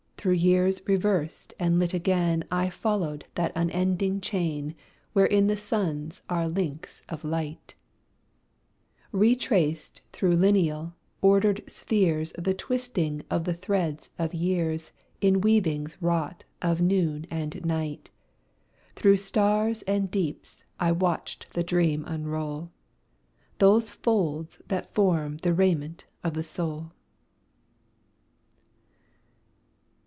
Through years reversed and lit again I followed that unending chain Wherein the suns are links of light; Retraced through lineal, ordered spheres The twisting of the threads of years In weavings wrought of noon and night; Through stars and deeps I watched the dream unroll, Those folds that form the raiment of the soul.